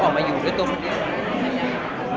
เอ่อเรามาอยู่ด้วยตัวสัตว์นี้